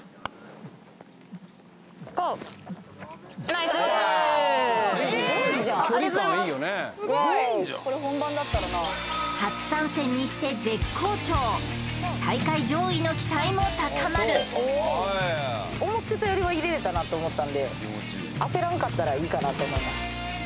ナイスありがとうございます初参戦にして絶好調大会上位の期待も高まる思ってたよりも入れれたなと思ったんで焦らんかったらいいかなと思います